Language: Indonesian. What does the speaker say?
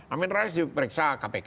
amin rais diperiksa kpk